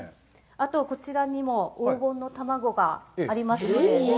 あとこちらにも黄金の卵がありますので。